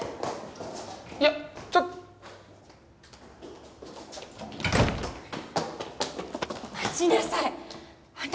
いやちょっ待ちなさいあんた